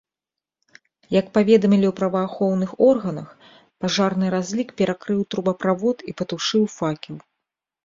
Як паведамілі ў праваахоўных органах, пажарны разлік перакрыў трубаправод і патушыў факел.